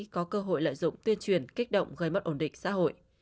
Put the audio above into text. có cơ hội lợi dụng tuyên truyền kích động gây mất ổn định xã hội